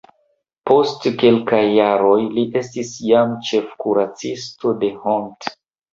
Post kelkaj jaroj li estis jam ĉefkuracisto de Hont.